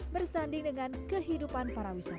bersanding dengan kehidupan para wisatawan